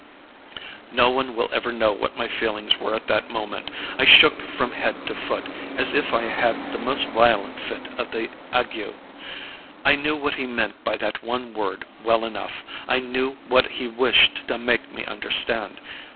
"No one will ever know what my feelings were at that moment. I shook from head to foot as if I had the most violent fit of the ague. I knew what he meant by that one word well enough I knew what he wished to make me understand.